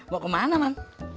mau kemana man